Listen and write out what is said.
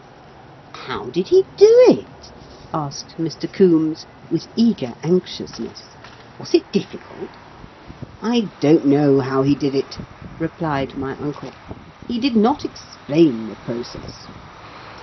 "How did he do it?" asked Mr. Coombes, with eager anxiousness. "Was it difficult?" "I do not know how he did it," replied my uncle; "he did not explain the process.